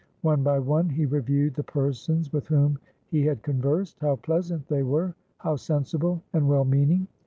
One by one he reviewed the persons with whom he had conversed. How pleasant they were! How sensible and well meaning!